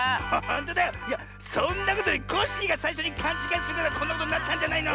いやそんなことよりコッシーがさいしょにかんちがいするからこんなことになったんじゃないの！